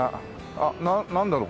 あっなんだろう？